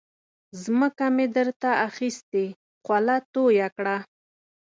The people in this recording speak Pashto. ځمکه مې در ته اخستې خوله تویه کړه.